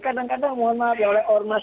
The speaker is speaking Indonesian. kadang kadang mohon maaf ya oleh ormas